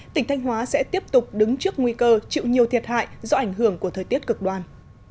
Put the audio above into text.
tỉnh thanh hóa sẽ tiếp tục đứng trước nguy cơ chịu nhiều thiệt hại do ảnh hưởng của thời tiết cực đoan